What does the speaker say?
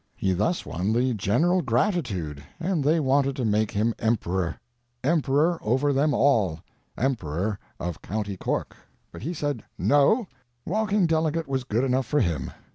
He thus won the general gratitude, and they wanted to make him emperor—emperor over them all—emperor of County Cork, but he said, No, walking delegate was good enough for him.